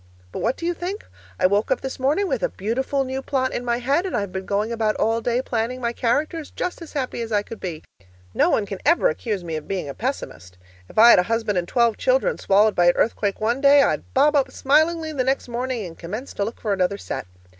But what do you think? I woke up this morning with a beautiful new plot in my head, and I've been going about all day planning my characters, just as happy as I could be. No one can ever accuse me of being a pessimist! If I had a husband and twelve children swallowed by an earthquake one day, I'd bob up smilingly the next morning and commence to look for another set.